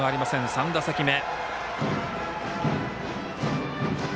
３打席目。